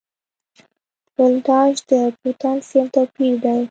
ولتاژ د پوتنسیال توپیر دی.